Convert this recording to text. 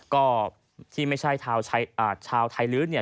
ก็ที่ไม่ใช่ชาวไทรฤทธิ์